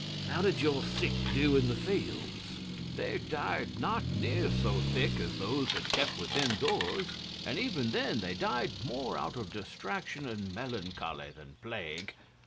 How did your sick do in the fields?' 'They died not near so thick as those that kept within doors, and even then they died more out of distraction and melancholy than plague.